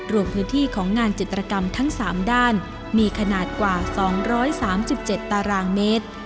รวมพื้นที่ของงานจิตรกรรมทั้ง๓ด้านมีขนาดกว่า๒๓๗ตารางเมตร